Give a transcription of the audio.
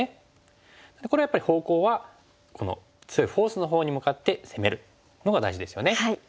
これはやっぱり方向はこの強いフォースのほうに向かって攻めるのが大事ですよね。